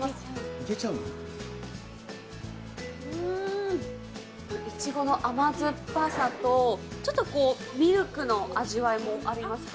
うーん、いちごの甘酸っぱさとちょっとこう、ミルクの味わいもありますか？